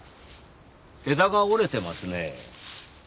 枝が折れてますねぇ。